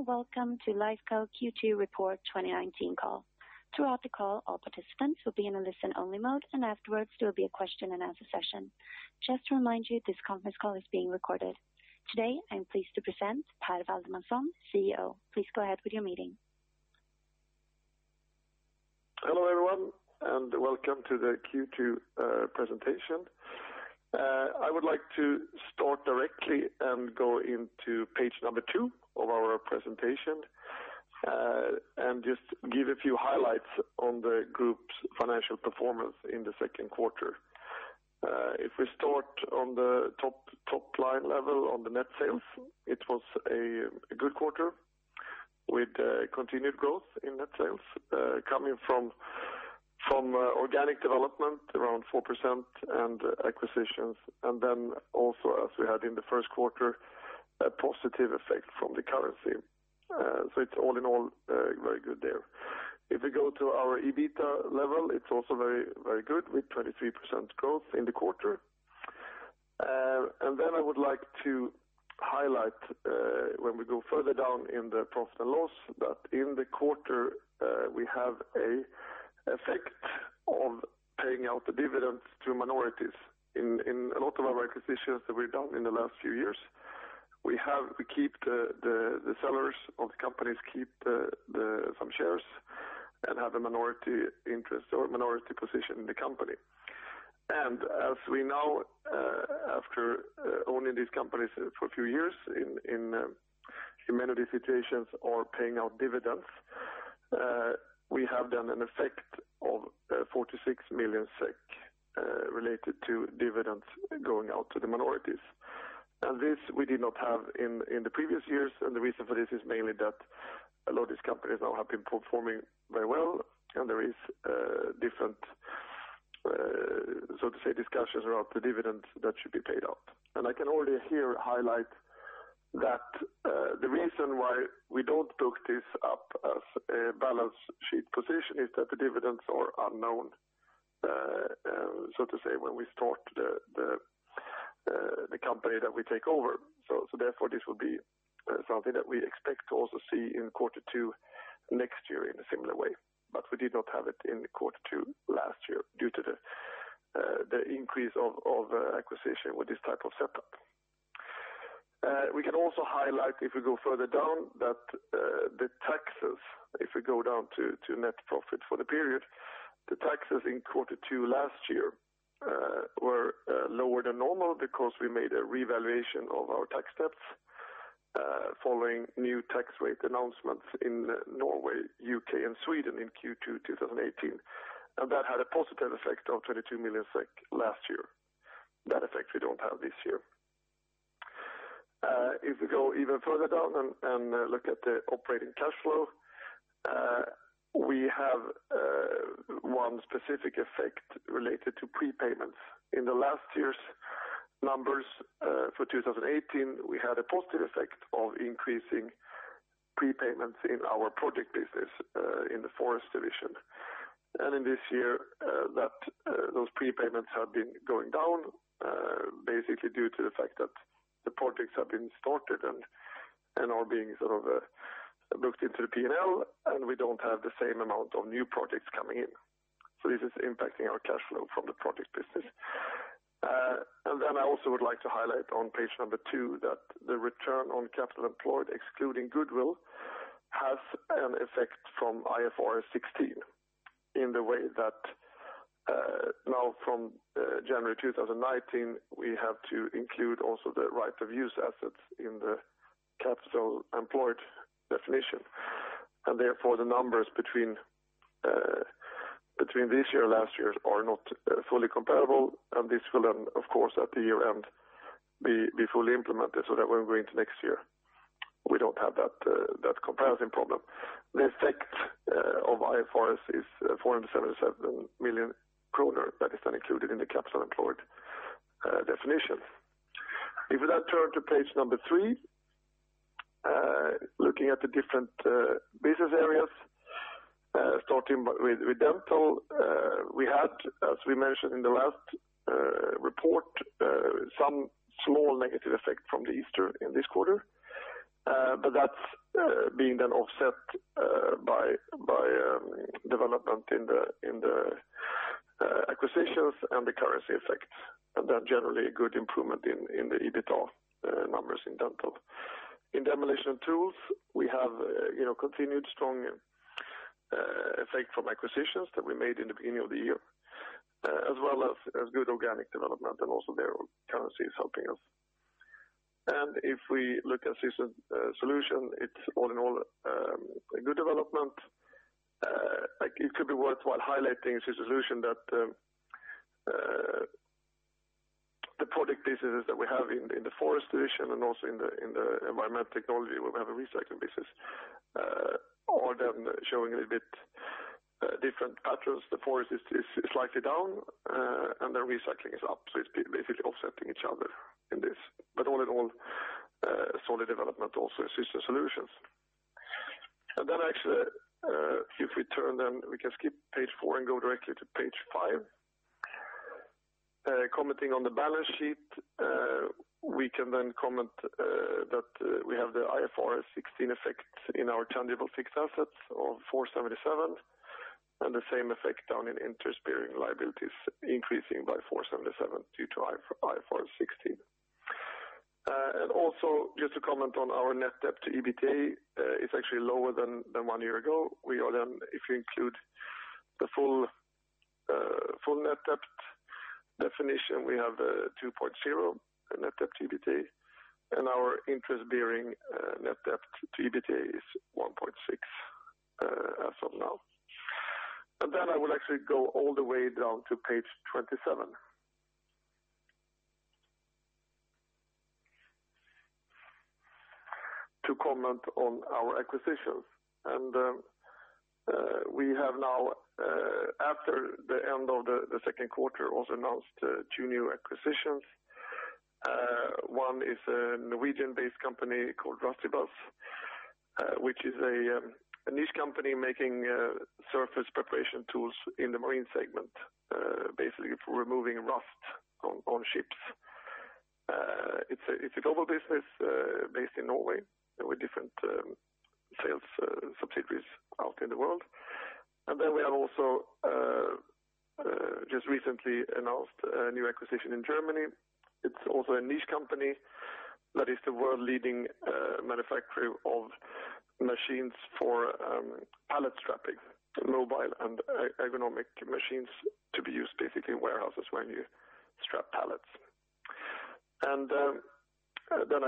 Hello, welcome to Lifco Q2 Report 2019 call. Throughout the call, all participants will be in a listen-only mode, and afterwards there will be a question and answer session. Just to remind you, this conference call is being recorded. Today, I am pleased to present Per Waldemarson, CEO. Please go ahead with your meeting. Hello everyone, and welcome to the Q2 presentation. I would like to start directly and go into page number two of our presentation, and just give a few highlights on the group's financial performance in the second quarter. If we start on the top line level on the net sales, it was a good quarter with continued growth in net sales coming from organic development around 4% and acquisitions. Then also as we had in the first quarter, a positive effect from the currency. It's all in all very good there. If we go to our EBITDA level, it's also very good with 23% growth in the quarter. Then I would like to highlight, when we go further down in the profit and loss, that in the quarter we have a effect of paying out the dividends to minorities. In a lot of our acquisitions that we've done in the last few years, the sellers of the companies keep some shares and have a minority interest or minority position in the company. As we now, after owning these companies for a few years in many situations are paying out dividends, we have then an effect of 46 million SEK related to dividends going out to the minorities. This we did not have in the previous years, and the reason for this is mainly that a lot of these companies now have been performing very well, and there is different discussions around the dividends that should be paid out. I can already here highlight that the reason why we don't book this up as a balance sheet position is that the dividends are unknown, so to say, when we start the company that we take over. Therefore this will be something that we expect to also see in quarter two next year in a similar way, but we did not have it in the quarter two last year due to the increase of acquisition with this type of setup. We can also highlight, if we go further down, that the taxes, if we go down to net profit for the period, the taxes in quarter two last year were lower than normal because we made a revaluation of our tax debts following new tax rate announcements in Norway, U.K., and Sweden in Q2 2018. That had a positive effect of 22 million SEK last year. That effect we don't have this year. If we go even further down and look at the operating cash flow, we have one specific effect related to prepayments. In the last year's numbers, for 2018, we had a positive effect of increasing prepayments in our project business in the forest division. In this year, those prepayments have been going down basically due to the fact that the projects have been started and are being booked into the P&L, and we don't have the same amount of new projects coming in. This is impacting our cash flow from the project business. I also would like to highlight on page number two that the return on capital employed excluding goodwill has an effect from IFRS 16 in the way that now from January 2019, we have to include also the right-of-use asset in the capital employed definition. Therefore, the numbers between this year or last year are not fully comparable, and this will then, of course, at the year-end, be fully implemented so that when we go into next year, we don't have that comparison problem. The effect of IFRS is 477 million kronor that is then included in the capital employed definition. If we now turn to page number three, looking at the different business areas, starting with Dental. We had, as we mentioned in the last report, some small negative effect from the Easter in this quarter. That's being then offset by development in the acquisitions and the currency effects, and then generally a good improvement in the EBITDA numbers in Dental. In Demolition & Tools, we have continued strong effect from acquisitions that we made in the beginning of the year, as well as good organic development and also there currency is helping us. If we look at Systems Solutions, it's all in all a good development. It could be worthwhile highlighting the solution that the project businesses that we have in the forest division and also in the environment technology, where we have a recycling business, are then showing a little bit different patterns. The forest is slightly down, and the recycling is up, so it's basically offsetting each other in this. All in all, solid development also in Systems Solutions. Actually, if we turn, we can skip page four and go directly to page five. Commenting on the balance sheet, we can comment that we have the IFRS 16 effect in our tangible fixed assets of 477, and the same effect down in interest-bearing liabilities increasing by 477 due to IFRS 16. Just to comment on our net debt to EBITDA, it's actually lower than one year ago. If you include the full net debt definition, we have 2.0 net debt to EBITDA, and our interest-bearing net debt to EBITDA is 1.6 as of now. I will actually go all the way down to page 27 to comment on our acquisitions. We have now, after the end of the second quarter, also announced two new acquisitions. One is a Norwegian-based company called Rustibus, which is a niche company making surface preparation tools in the marine segment, basically for removing rust on ships. It's a global business based in Norway with different sales subsidiaries out in the world. We have also just recently announced a new acquisition in Germany. It's also a niche company that is the world leading manufacturer of machines for pallet strapping, mobile and ergonomic machines to be used basically in warehouses when you strap pallets.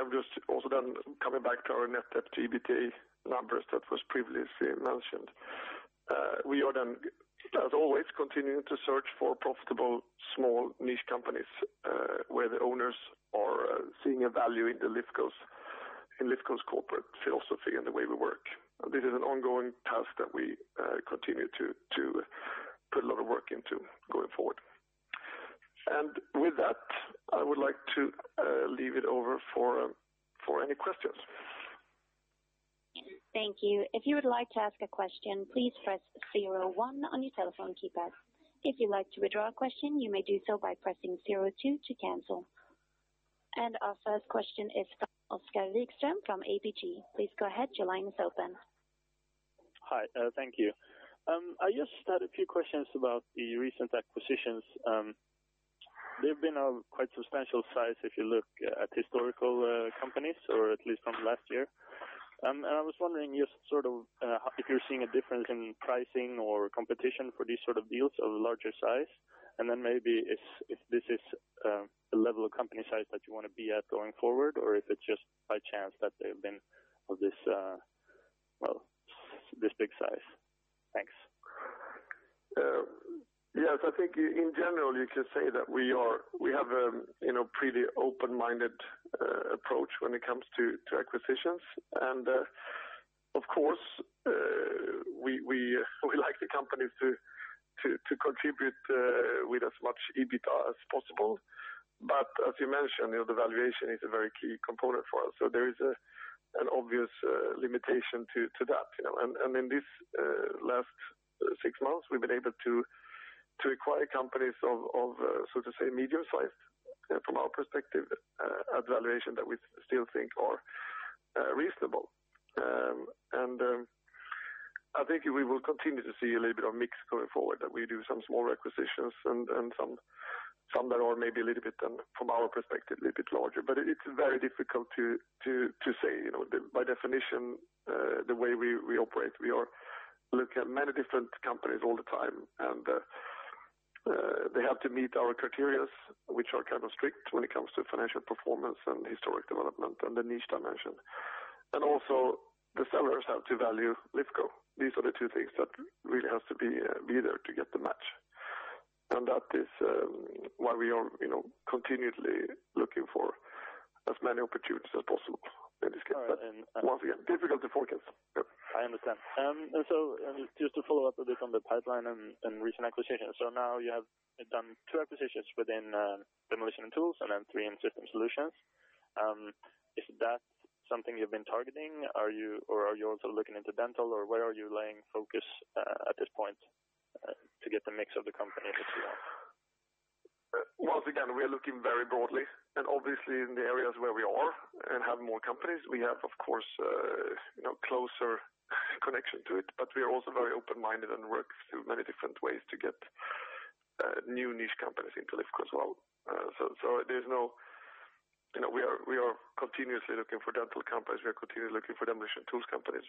I'm just also coming back to our net debt to EBITDA numbers that was previously mentioned. We are then, as always, continuing to search for profitable small niche companies where the owners are seeing a value in Lifco's corporate philosophy and the way we work. This is an ongoing task that we continue to put a lot of work into going forward. With that, I would like to leave it over for any questions. Thank you. If you would like to ask a question, please press 01 on your telephone keypad. If you'd like to withdraw a question, you may do so by pressing 02 to cancel. Our first question is from Oskar Wikström from ABG. Please go ahead. Your line is open. Hi, thank you. I just had a few questions about the recent acquisitions. They've been of quite substantial size if you look at historical companies, or at least from last year. I was wondering if you're seeing a difference in pricing or competition for these sort of deals of larger size, and then maybe if this is a level of company size that you want to be at going forward, or if it's just by chance that they've been of this big size. Thanks. Yes, I think in general, you can say that we have a pretty open-minded approach when it comes to acquisitions. Of course, we like the companies to contribute with as much EBITDA as possible. As you mentioned, the valuation is a very key component for us, so there is an obvious limitation to that. In these last six months, we've been able to acquire companies of, so to say, medium size from our perspective, at valuations that we still think are reasonable. I think we will continue to see a little bit of mix going forward, that we do some small acquisitions and some that are maybe a little bit, from our perspective, a little bit larger. It's very difficult to say. By definition, the way we operate, we look at many different companies all the time. They have to meet our criteria, which are kind of strict when it comes to financial performance and historic development and the niche dimension. Also, the sellers have to value Lifco. These are the two things that really have to be there to get the match. That is why we are continually looking for as many opportunities as possible in this case. Once again, it is difficult to forecast. I understand. Just to follow up a bit on the pipeline and recent acquisitions. You have done two acquisitions within Demolition & Tools and then three in Systems Solutions. Is that something you've been targeting? Or are you also looking into Dental, or where are you laying focus at this point to get the mix of the company that you want? Once again, we are looking very broadly. Obviously in the areas where we are and have more companies, we have, of course, closer connection to it. We are also very open-minded and work through many different ways to get new niche companies into Lifco as well. We are continuously looking for Dental companies. We are continuously looking for Demolition & Tools companies.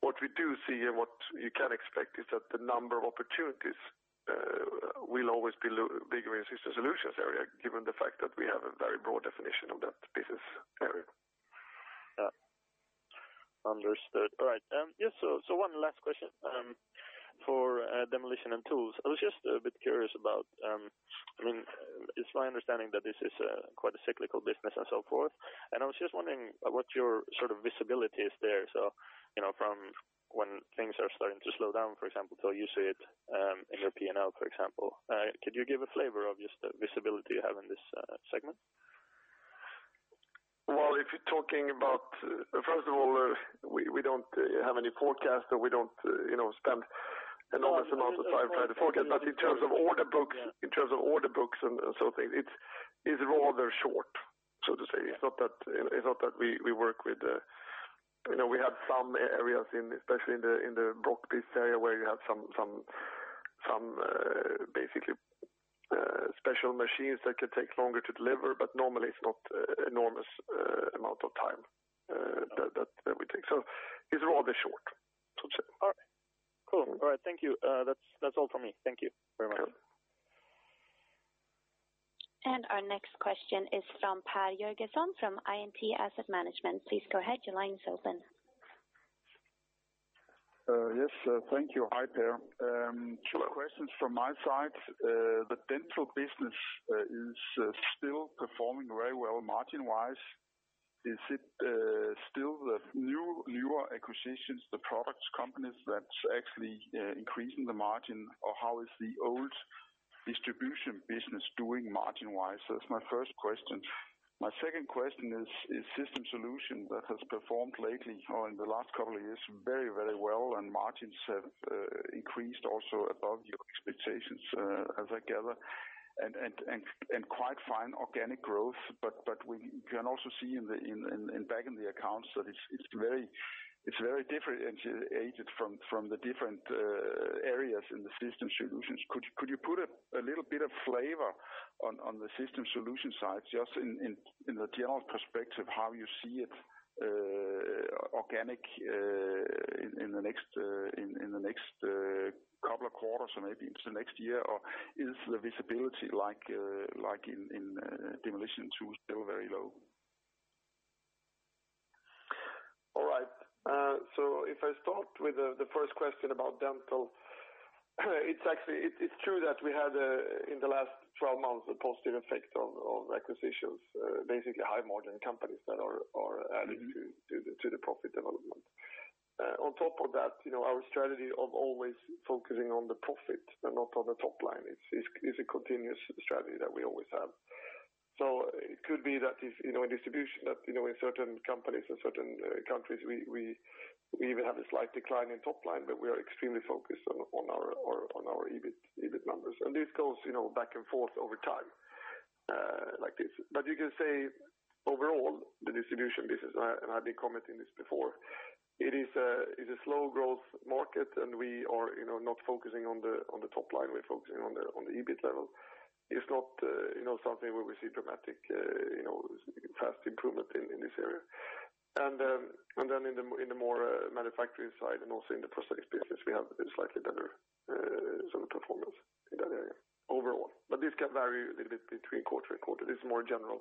What we do see and what you can expect is that the number of opportunities will always be bigger in the Systems Solutions area, given the fact that we have a very broad definition of that business area. Understood. All right. One last question for Demolition & Tools. I was just a bit curious. It's my understanding that this is quite a cyclical business and so forth, and I was just wondering what your visibility is there from when things are starting to slow down, for example, till you see it in your P&L, for example. Could you give a flavor of just the visibility you have in this segment? First of all, we don't have any forecast, and we don't spend enormous amounts of time trying to forecast. In terms of order books and some things, it's rather short, so to say. We have some areas, especially in the Brokk business area, where you have some basically special machines that could take longer to deliver, but normally it's not an enormous amount of time that we take. It's rather short. All right, cool. Thank you. That's all from me. Thank you very much. Okay. Our next question is from Per Jörgensson from INT Asset Management. Please go ahead. Your line is open. Yes. Thank you. Hi, Per. Two questions from my side. The Dental business is still performing very well margin-wise. Is it still the newer acquisitions, the products companies that's actually increasing the margin, or how is the old distribution business doing margin-wise? That's my first question. My second question is, Systems Solutions that has performed lately or in the last couple of years very well, and margins have increased also above your expectations, as I gather, and quite fine organic growth. We can also see back in the accounts that it's very different aged from the different areas in the Systems Solutions. Could you put a little bit of flavor on the Systems Solutions side, just in the general perspective, how you see it organic in the next couple of quarters or maybe into next year, or is the visibility like in Demolition & Tools, still very low? All right. If I start with the first question about Dental, it's true that we had in the last 12 months a positive effect on acquisitions, basically high margin companies that are added to the profit development. On top of that, our strategy of always focusing on the profit and not on the top line is a continuous strategy that we always have. It could be that in distribution, in certain companies or certain countries, we even have a slight decline in top line, but we are extremely focused on our EBIT numbers. This goes back and forth over time like this. You can say overall, the distribution business, and I've been commenting this before, it is a slow growth market, and we are not focusing on the top line. We're focusing on the EBIT level. It's not something where we see dramatic, fast improvement in this area. Then in the more manufacturing side and also in the prosthetics business, we have a slightly better performance in that area overall. This can vary a little bit between quarter and quarter. This is a more general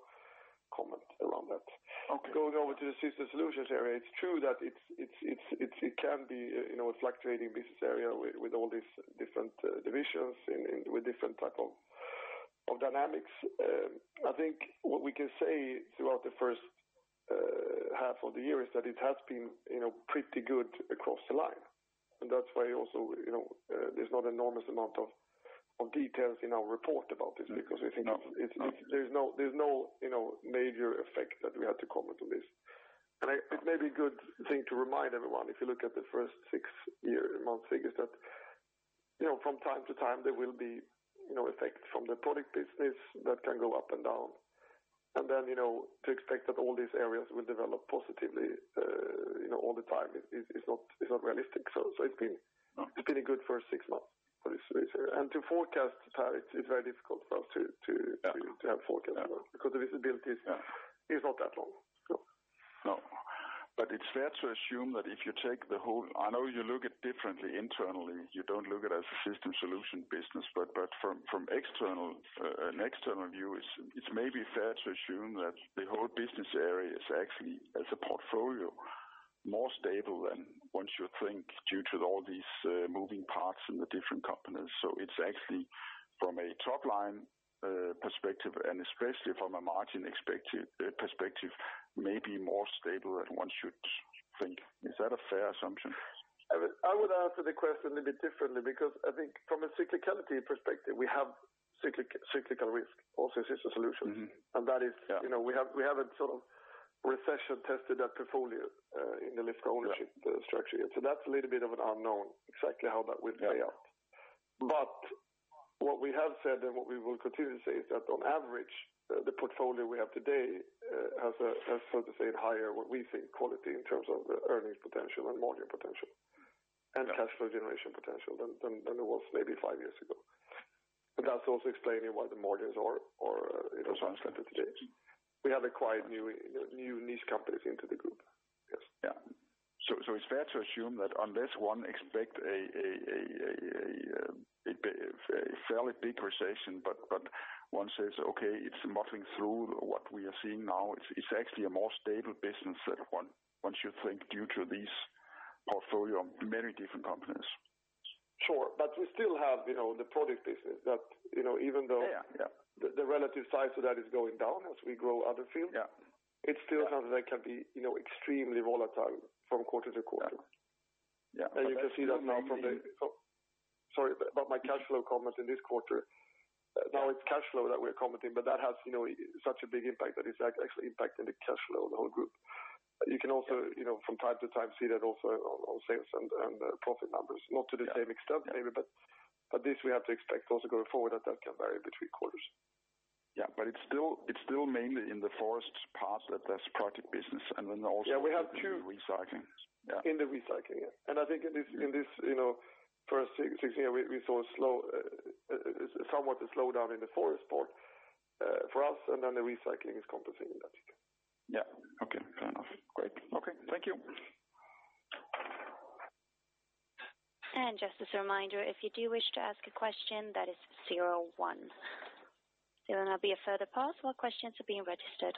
comment around that. Okay. Going over to the Systems Solutions area, it's true that it can be a fluctuating business area with all these different divisions and with different type of dynamics. I think what we can say throughout the first half of the year is that it has been pretty good across the line. That's why also, there's not enormous amount of details in our report about this, because we think there's no major effect that we had to comment on this. It may be a good thing to remind everyone, if you look at the first six-month figures, that from time to time, there will be effects from the project business that can go up and down. Then, to expect that all these areas will develop positively all the time is not realistic. It's been a good first six months for this reason. To forecast, Per, it's very difficult for us to have forecasts because the visibility is not that long. No. I know you look at it differently internally. You don't look at it as a Systems Solutions business, but from an external view, it's maybe fair to assume that the whole business area is actually, as a portfolio, more stable than one should think due to all these moving parts in the different companies. It's actually from a top-line perspective, and especially from a margin perspective, maybe more stable than one should think. Is that a fair assumption? I would answer the question a bit differently because I think from a cyclicality perspective, we have cyclical risk also in Systems Solutions. That is we haven't sort of recession-tested that portfolio in the Lifco ownership structure yet. That's a little bit of an unknown, exactly how that will play out. What we have said and what we will continue to say is that on average, the portfolio we have today has a, so to say, higher, what we think, quality in terms of earnings potential and margin potential and cash flow generation potential than it was maybe five years ago. That's also explaining why the margins are as presented today. We have acquired new niche companies into the group. Yes. Yeah. It's fair to assume that unless one expects a fairly big recession, but one says, "Okay, it's muddling through what we are seeing now," it's actually a more stable business than one should think due to this portfolio of many different companies. Sure. We still have the product business that even though the relative size of that is going down as we grow other fields, it's still something that can be extremely volatile from quarter to quarter. Yeah. You can see that now from Sorry, about my cash flow comment in this quarter. Now it's cash flow that we're commenting, but that has such a big impact that it's actually impacting the cash flow of the whole group. You can also, from time to time, see that also on sales and profit numbers, not to the same extent maybe, but this we have to expect also going forward that can vary between quarters. It's still mainly in the forest part that's project business, and then also in the recycling. In the recycling, yeah. I think in this first six months, we saw somewhat a slowdown in the forest part for us, and then the recycling is compensating that. Yeah. Okay. Fair enough. Great. Okay. Thank you. Just as a reminder, if you do wish to ask a question, that is zero one. There will now be a further pause while questions are being registered.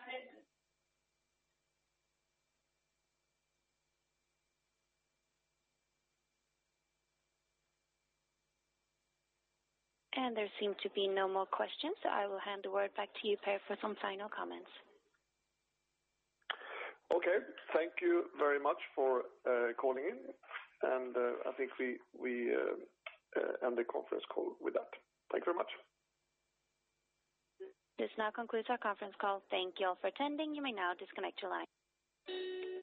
There seem to be no more questions, so I will hand the word back to you, Per, for some final comments. Okay. Thank you very much for calling in, and I think we end the conference call with that. Thank you very much. This now concludes our conference call. Thank Thank you all for attending. You may now disconnect your line.